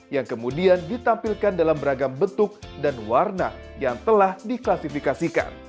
yang kemudian ditampilkan dalam beragam bentuk dan warna yang telah diklasifikasikan